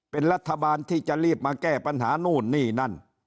เป็นรัฐบาลที่จะรีบมาแก้ปัญหานู่นนี่นั่น